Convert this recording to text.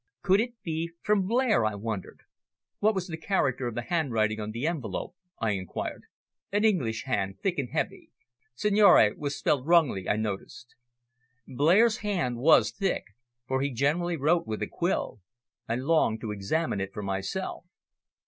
Could it be from Blair, I wondered? "What was the character of the handwriting on the envelope?" I inquired. "An English hand thick and heavy. Signore was spelt wrongly, I noticed." Blair's hand was thick, for he generally wrote with a quill. I longed to examine it for myself.